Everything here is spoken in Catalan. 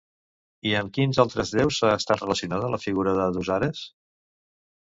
I amb quins altres déus ha estat relacionada la figura de Dusares?